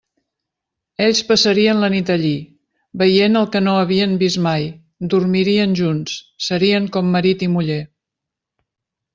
Ells passarien la nit allí, veient el que no havien vist mai; dormirien junts: serien com marit i muller.